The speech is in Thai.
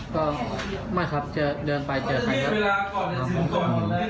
ก็ไม่ครับเจอเดินไปเจอใครแล้วอืม